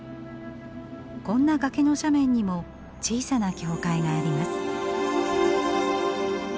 こんな崖の斜面にも小さな教会があります。